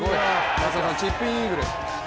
まさかのチップインイーグル